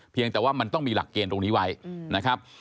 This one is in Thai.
เพียงแต่ว่ามันต้องมีหลักเกณฑ์ตรงนี้ไว้นะครับ